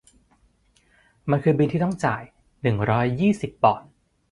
มันคือบิลที่ต้องจ่ายหนึ่งร้อยยี่สิบปอนด์